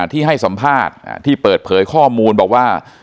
ที่ให้สัมภาษณ์ที่เปิดเผยข้อมูลบอกว่า